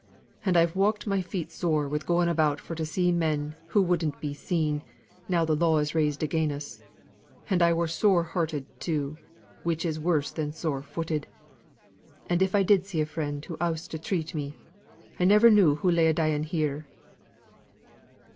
And I've walked my feet sore wi' going about for to see men who wouldn't be seen, now the law is raised against us. And I were sore hearted, too, which is worse than sore footed; and if I did see a friend who ossed to treat me, I never knew hoo lay a dying here.